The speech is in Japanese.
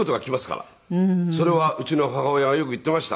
それはうちの母親がよく言っていました。